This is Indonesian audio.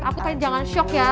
aku pengen jangan shock ya